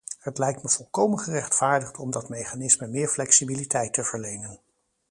Het lijkt me volkomen gerechtvaardigd om dat mechanisme meer flexibiliteit te verlenen.